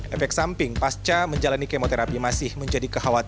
efek samping pasca menjalani kemoterapi masih menjadi kekhawatiran